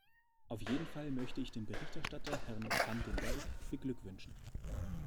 Auf jeden Fall möchte ich den Berichterstatter, Herrn van den Berg, beglückwünschen.